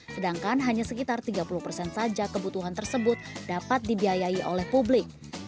sedangkan hanya sekitar tiga puluh persen saja kebutuhan tersebut dapat dibiayai oleh publik